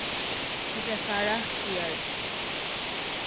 এটা Sarah fear.